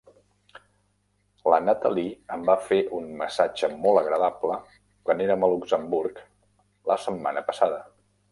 La Natalie em va fer un massatge molt agradable quan érem a Luxemburg la setmana passada.